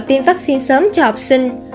tiêm vaccine sớm cho học sinh